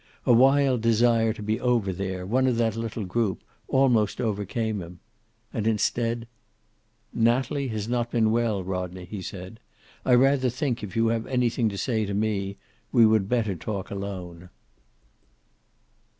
A wild desire to be over there, one of that little group, almost overcame him. And instead "Natalie has not been well, Rodney," he said. "I rather think, if you have anything to say to me, we would better talk alone."